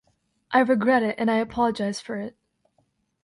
I regret it and I apologize for it.